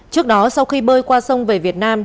trước đó sau khi bơi qua sông về việt nam